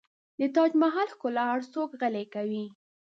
د تاج محل ښکلا هر څوک غلی کوي.